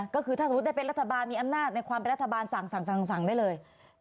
ก็คือถ้าสมมุติได้เป็นรัฐบาลมีอำนาจในความเป็นรัฐบาลสั่งได้เลย